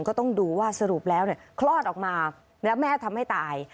ก็ต้องดูว่าสรุปแล้วคลอดออกมาแล้วแม่ทำให้ตาย